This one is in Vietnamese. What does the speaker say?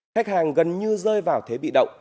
khách hàng gần như rơi vào thế bị động